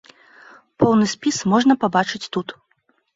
Поўны спіс можна пабачыць тут.